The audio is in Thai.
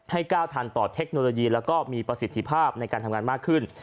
ก้าวทันต่อเทคโนโลยีแล้วก็มีประสิทธิภาพในการทำงานมากขึ้น